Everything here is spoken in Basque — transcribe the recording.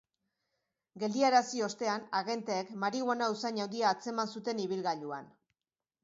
Geldiarazi ostean, agenteek marihuana usain handia atzeman zuten ibilgailuan.